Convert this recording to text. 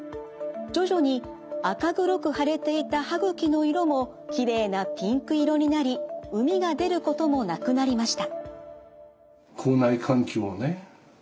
徐々に赤黒く腫れていた歯ぐきの色もきれいなピンク色になり膿が出ることもなくなりました。